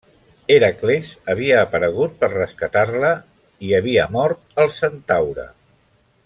Hèracles havia aparegut per rescatar-la i havia mort el centaure.